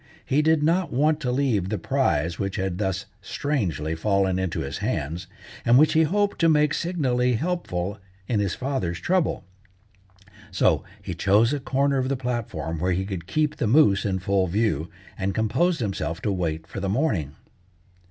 He did not want to leave the prize which had thus strangely fallen into his hands, and which he hoped to make signally helpful in his father's trouble. So he chose a corner of the platform where he could keep the moose in full view, and composed himself to wait for the morning.